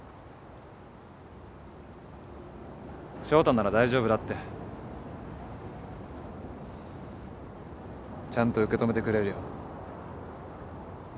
翔太なら大丈夫だって。ちゃんと受け止めてくれるよ。